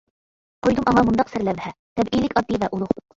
قويدۇم ئاڭا مۇنداق سەرلەۋھە: تەبىئىيلىك ئاددىي ۋە ئۇلۇغ.